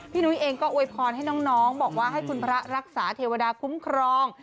นุ้ยเองก็อวยพรให้น้องบอกว่าให้คุณพระรักษาเทวดาคุ้มครอง